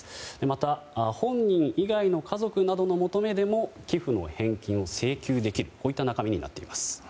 また、本人以外の家族などの求めでも寄付の返金を請求できるといった中身になっています。